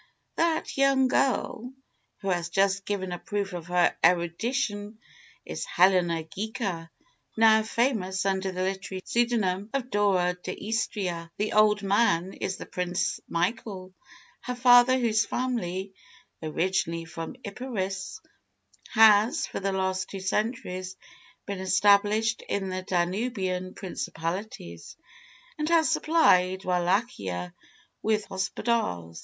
"That young girl, who has just given a proof of her erudition is Helena Ghika, now famous under the literary pseudonym of Dora d'Istria. The old man is the Prince Michael, her father, whose family, originally of Epirus, has for the last two centuries been established in the Danubian Principalities, and has supplied Wallachia with Hospodars.